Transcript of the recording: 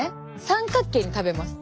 三角形に食べます。